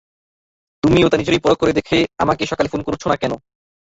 তুমি ওটা নিজেই পরখ করে দেখে আমাকে সকালে ফোন করছো না কেন?